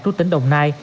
trú tỉnh đồng nai